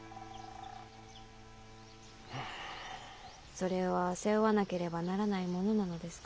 それは背負わなければならないものなのですか？